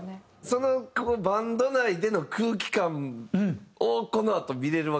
そのバンド内での空気感をこのあと見られるわけでしょ？